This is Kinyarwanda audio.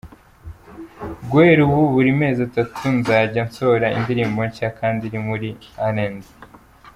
Guhera ubu, buri mezi atatu nzajya nsohora indirimbo nshya kandi iri muri R&B.